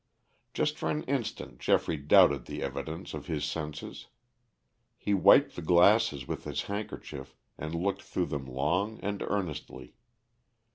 Just for an instant Geoffrey doubted the evidence of his senses. He wiped the glasses with his handkerchief and looked through them long and earnestly.